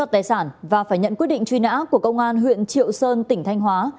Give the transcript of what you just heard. truy nã của công an huyện triệu sơn tỉnh thanh hóa